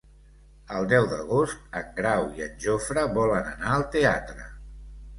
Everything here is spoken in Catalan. El deu d'agost en Grau i en Jofre volen anar al teatre.